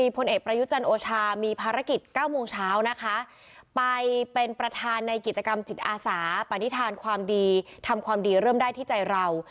ประธานในกิจกรรมจิตอาสาปฏิทานความดีทำความดีเริ่มได้ที่ใจเรา